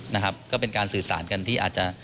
นะครับก็เป็นการสื่อสารกันที่อาจจะ